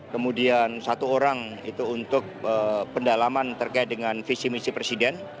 kemudian satu orang itu untuk pendalaman terkait dengan visi misi presiden